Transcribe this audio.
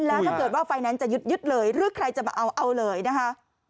แล้วถ้าเกิดว่าไฟแนนซ์จะยึดเลยหรือใครจะมาเอาเอาเลยนะคะ